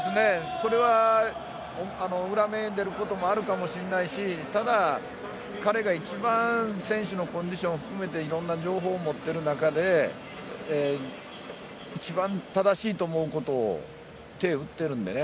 それは裏目に出ることもあるかもしれないしただ彼が一番選手のコンディション含めていろんな情報を持ってる中で一番正しいと思うことを手を打っているんでね。